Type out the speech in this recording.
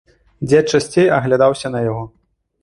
Дзед часцей аглядаўся на яго.